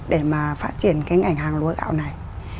để mà phát triển cái ngành hàng lúa gạo này